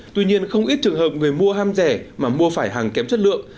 tuy nhiên không ít trường hợp người mua ham rẻ mà mua phải hàng kém chất lượng